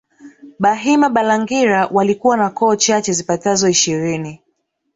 Bahima Balangira walikuwa na koo chache zipatazo ishirini